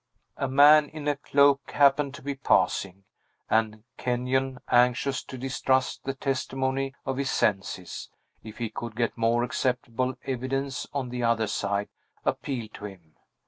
A man in a cloak happened to be passing; and Kenyon anxious to distrust the testimony of his senses, if he could get more acceptable evidence on the other side appealed to him.